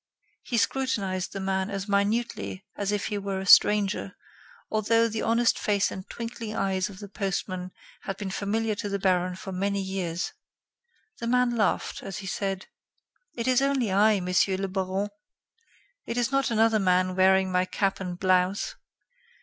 He scrutinized the man as minutely as if he were a stranger, although the honest face and twinkling eyes of the postman had been familiar to the Baron for many years. The man laughed, as he said: "It is only I, Monsieur le Baron. It is not another man wearing my cap and blouse."